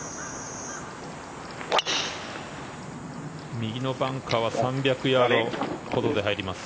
右のバンカーは３００ヤードほどで入ります。